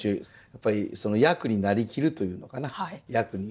やっぱりその役に成りきるというのかな役に。